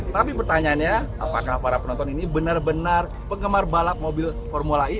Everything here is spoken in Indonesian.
tapi pertanyaannya apakah para penonton ini benar benar penggemar balap mobil formula e